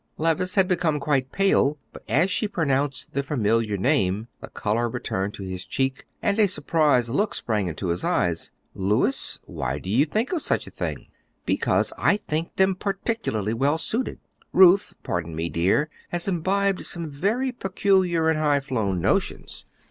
"Levice had become quite pale, but as she pronounced the familiar name, the color returned to his cheek, and a surprised look sprang into his eyes. "Louis? Why do you think of such a thing?" "Because I think them particularly well suited. Ruth, pardon me, dear, has imbibed some very peculiar and high flown notions.